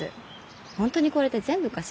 本当にこれで全部かしら？